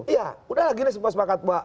iya udah lagi nih sempat sempat